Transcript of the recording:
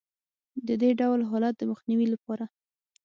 د دې ډول حالت د مخنیوي لپاره